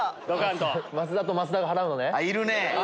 増田と増田が払うのね。